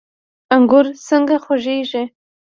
انګور څنګه خوږیږي؟